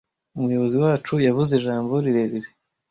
Umuyobozi wacu yavuze ijambo rirerire.